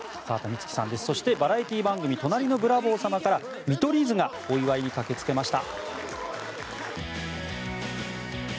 そしてバラエティー番組「隣のブラボー様」から見取り図がお祝いに駆け付けました。